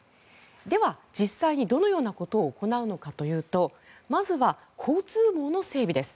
では、実際にどのようなことを行うのかというとまずは交通網の整備です。